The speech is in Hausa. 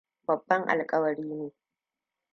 Babban alƙawari ne.